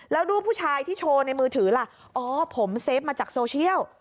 แล้วรูปผู้ชายที่โชว์ในมือถือล่ะอ๋อผมเซฟมาจากโซเชียล